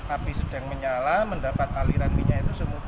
api sedang menyala mendapat aliran minyak itu semut